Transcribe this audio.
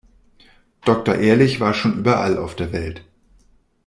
Doktor Ehrlich war schon überall auf der Welt.